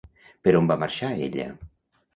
Per on va marxar ella?